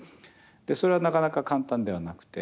それはなかなか簡単ではなくて。